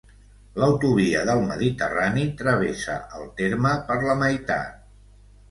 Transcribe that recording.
L'autovia del Mediterrani travessa el terme per la meitat.